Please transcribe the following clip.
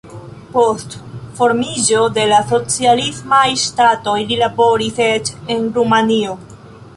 Post formiĝo de la socialismaj ŝtatoj li laboris eĉ en Rumanio.